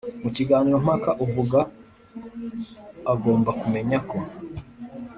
Mu kiganiro mpaka uvuga agomba kumenya ko